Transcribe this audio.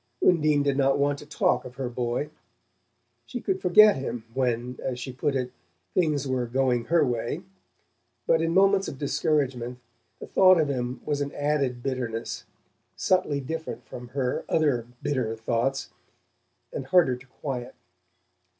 Undine did not want to talk of her boy. She could forget him when, as she put it, things were "going her way," but in moments of discouragement the thought of him was an added bitterness, subtly different from her other bitter thoughts, and harder to quiet.